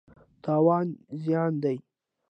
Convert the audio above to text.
تاوان زیان دی.